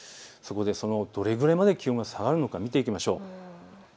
どれぐらいまで気温が下がるのか見ていきましょう。